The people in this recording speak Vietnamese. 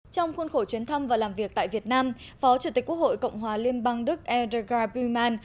trong khuôn khổ chuyến thăm và làm việc tại việt nam phó chủ tịch quốc hội cộng hòa liên bang đức edega bruman